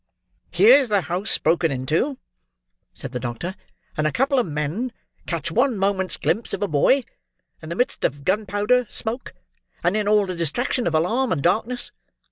"Here's the house broken into," said the doctor, "and a couple of men catch one moment's glimpse of a boy, in the midst of gunpowder smoke, and in all the distraction of alarm and darkness.